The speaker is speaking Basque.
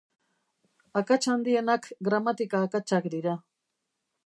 Akats handienak gramatika akatsak dira.